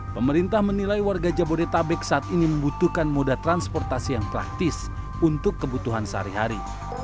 pemerintah menilai warga jabodetabek saat ini membutuhkan moda transportasi yang praktis untuk kebutuhan sehari hari